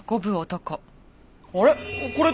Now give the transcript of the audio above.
あれ？